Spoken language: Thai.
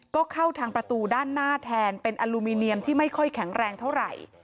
ก็เข้าทางประตูด้านหน้าแทนเป็นอลูมิเนียมที่ไม่ค่อยแข็งแรงเท่าไหร่